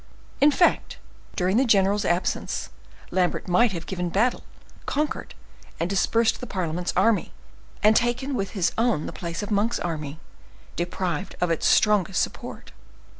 In fact, during the general's absence, Lambert might have given battle, conquered, and dispersed the parliament's army, and taken with his own the place of Monk's army, deprived of its strongest support.